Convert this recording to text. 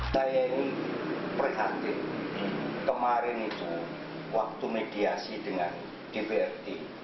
saya ini prihatin kemarin itu waktu mediasi dengan dprd